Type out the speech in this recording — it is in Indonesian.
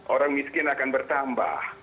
orang miskin akan bertambah